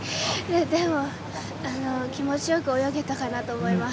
でも、気持ちよく泳げたかなと思います。